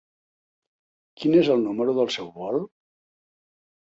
Quin és el número del seu vol?